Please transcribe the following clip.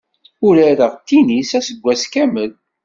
Urareɣ tinis aseggas kamel.